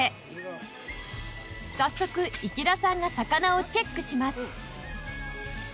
早速池田さんが魚をチェックします